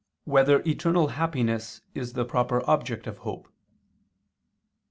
2] Whether Eternal Happiness Is the Proper Object of Hope?